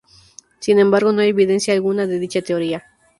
Sin embargo, no hay evidencia alguna de dicha teoría.